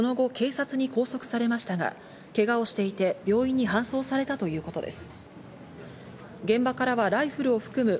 男は２２歳でその後、警察に拘束されましたが、けがをしていて、病院に搬送されたということです。